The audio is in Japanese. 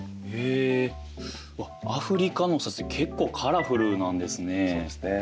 へえアフリカのお札って結構カラフルなんですね。